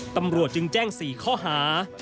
ตำรวจจึงแจ้ง๔ข้อหา